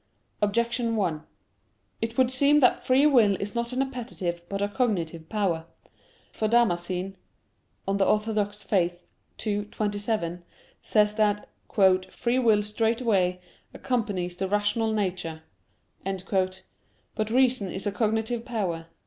Objection 1: It would seem that free will is not an appetitive, but a cognitive power. For Damascene (De Fide Orth. ii, 27) says that "free will straightway accompanies the rational nature." But reason is a cognitive power.